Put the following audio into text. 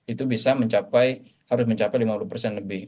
itu bisa mencapai harus mencapai lima puluh persen lebih